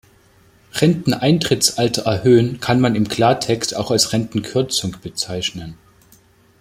Renteneintrittsalter erhöhen kann man im Klartext auch als Rentenkürzung bezeichnen.